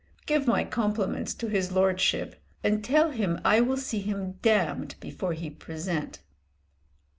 "Give my compliments to his lordship, and tell him I will see him damned before he present."